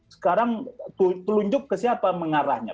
sekarang telunjuk ke siapa mengarahnya